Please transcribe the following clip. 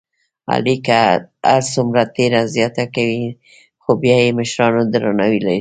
علی که هرڅومره تېره زیاته کوي، خوبیا هم د مشرانو درناوی لري.